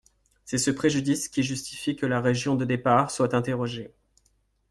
C’est ce préjudice qui justifie que la région de départ soit interrogée.